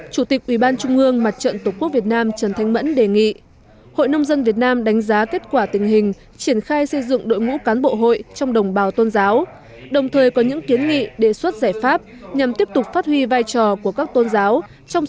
chủ tịch ubnd mặt trận tổ quốc việt nam trần thanh mẫn đề nghị hội nông dân việt nam đánh giá kết quả tình hình triển khai xây dựng đội ngũ cán bộ hội trong đồng bào tôn giáo đồng thời có những kiến nghị đề xuất giải pháp nhằm tiếp tục phát huy vai trò của các tôn giáo trong xây dựng nông thôn mới và tổ chức hội vững mạnh